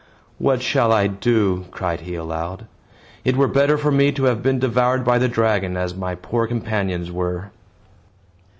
"What shall I do?" cried he aloud. "It were better for me to have been devoured by the dragon, as my poor companions were."